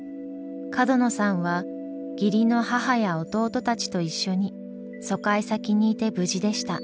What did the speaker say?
角野さんは義理の母や弟たちと一緒に疎開先にいて無事でした。